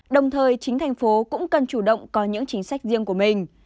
đồng thời chính thành phố cũng cần chủ động có những chính sách riêng của mình